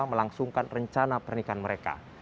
melangsungkan rencana pernikahan mereka